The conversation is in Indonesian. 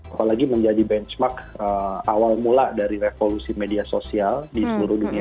apalagi menjadi benchmark awal mula dari revolusi media sosial di seluruh dunia